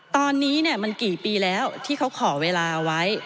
ตอนนี้มันกี่ปีแล้วที่เขาขอเวลาไว้